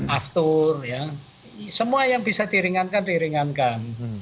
aftur semua yang bisa diringankan diringankan